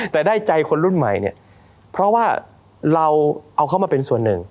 แต่ได้ใจคนรุ่นใหม่เนี่ยเพราะว่าเราเอาเขามาเป็นส่วนหนึ่ง